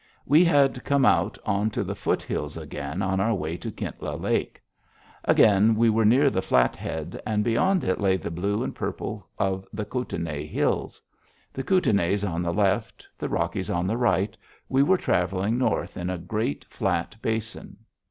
We had come out on to the foothills again on our way to Kintla Lake. Again we were near the Flathead, and beyond it lay the blue and purple of the Kootenai Hills. The Kootenais on the left, the Rockies on the right, we were traveling north in a great flat basin.